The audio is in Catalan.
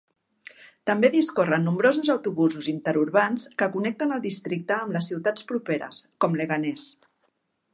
També discorren nombrosos autobusos interurbans que connecten el districte amb les ciutats properes, com Leganés.